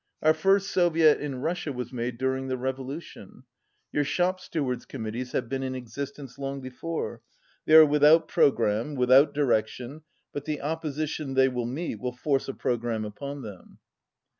Our first Soviet in Russia was made during the revolution. Your shop stewards committees have been in existence long before. They are without pro gramme, without direction, but the opposition they will meet will force a programme upon them."